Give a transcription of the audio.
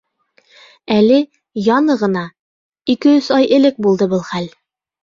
Әле яны ғына. ике-өс ай элек булды был хәл.